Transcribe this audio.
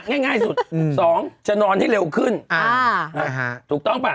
ง่ายง่ายสุดอืมสองจะนอนให้เร็วขึ้นอ่าอ่าฮะถูกต้องป่ะ